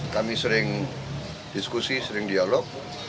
kami sering diskusi sering dialog